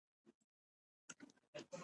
وروسته مو حاجي ظاهر جان ته تیلفون وکړ.